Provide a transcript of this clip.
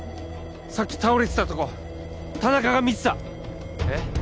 さっき倒れてたとこ田中が見てたえっ？